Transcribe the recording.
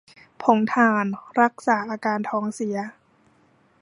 ผงถ่าน รักษาอาการท้องเสีย